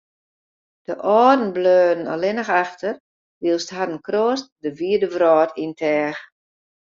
De âlden bleaune allinne efter, wylst harren kroast de wide wrâld yn teach.